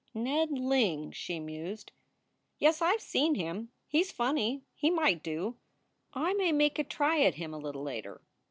"Ned Ling," she mused. "Yes, I ve seen him. He s funny. He might do. I may make a try at him a little later.